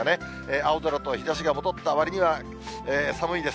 青空と日ざしが戻ったわりには寒いです。